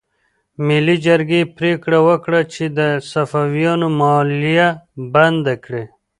ملي جرګې پریکړه وکړه چې د صفویانو مالیه بنده کړي.